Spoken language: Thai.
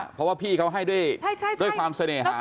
เพราะว่าพี่เขาให้ด้วยความเสน่หา